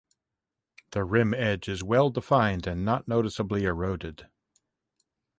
The rim edge is well-defined and not noticeably eroded.